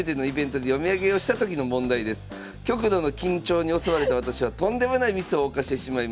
「極度の緊張に襲われた私はとんでもないミスを犯してしまいました。